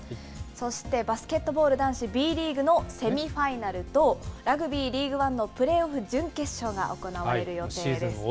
そして、バスケットボール男子Ｂリーグのセミファイナルと、ラグビー・リーグワンのプレーオフ準決勝が行われる予定です。